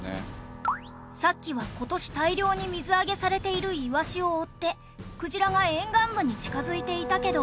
さっきは今年大量に水揚げされているイワシを追ってクジラが沿岸部に近づいていたけど。